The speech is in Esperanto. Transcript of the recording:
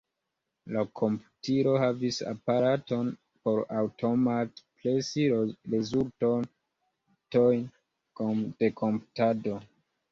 La komputilo havis aparaton por aŭtomate presi rezultojn de komputado.